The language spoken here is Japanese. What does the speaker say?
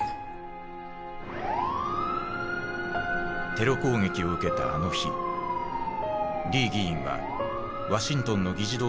テロ攻撃を受けたあの日リー議員はワシントンの議事堂で会議をしていた。